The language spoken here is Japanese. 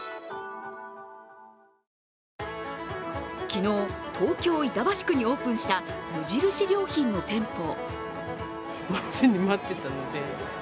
昨日、東京・板橋区にオープンした無印良品の店舗。